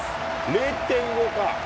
０．５か。